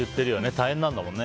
大変なんだもんね。